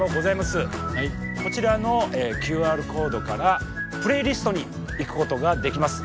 こちらのＱＲコードからプレイリストに行くことができます。